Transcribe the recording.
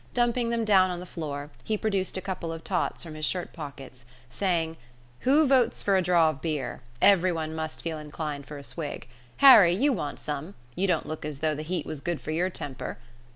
Dumping them down on the floor, he produced a couple of tots from his shirt pockets, saying, "Who votes for a draw of beer? Everyone must feel inclined for a swig. Harry, you want some; you don't look as though the heat was good for your temper.